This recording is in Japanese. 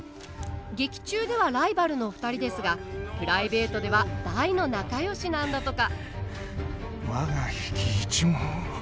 劇中ではライバルのお二人ですがプライベートでは大の仲よしなんだとか我が比企一門を。